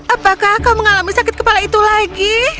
apakah kau mengalami sakit kepala itu lagi